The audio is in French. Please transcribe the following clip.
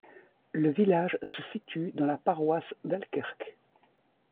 Le village se situe dans la paroisse d'Halkirk.